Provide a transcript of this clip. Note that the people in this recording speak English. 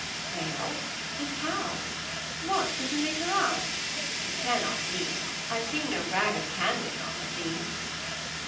"Sail! and how? What! could you make her out? It cannot be; I've seen no rag of canvass on the sea."